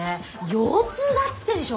腰痛だっつってんでしょ？